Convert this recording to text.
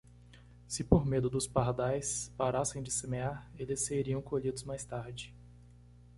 Se por medo dos pardais parassem de semear, eles seriam colhidos mais tarde.